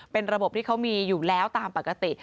เป็นระบบที่เขามีอยู่แล้วตามปกติ